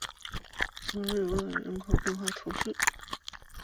松日厄人口变化图示